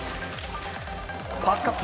パスカット！